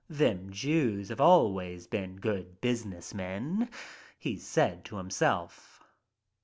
'Them Jews have always been good business men/ he said to himself.